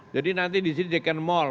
jadi nanti di sini dikenal mall